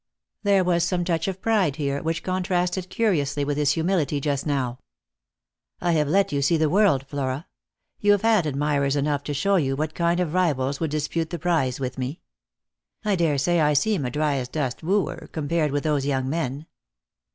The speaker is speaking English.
There was some touch of pride here, which contrasted curi ously with his humility just now. 252 Lost for Love. " I have let you see the world, Flora. You have had admirers enough to show you what kind of rivals would dispute the prize with me. I daresay I seem a dryasdust wooer compared with those young men."